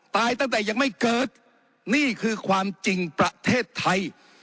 ตายตั้งแต่ยังไม่เกิดนี่คือความจริงประเทศไทย